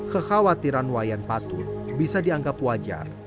kekhawatiran wayan patut bisa dianggap wajar